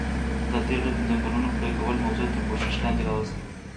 ازادي راډیو د د ځنګلونو پرېکول موضوع تر پوښښ لاندې راوستې.